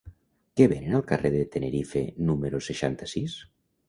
Què venen al carrer de Tenerife número seixanta-sis?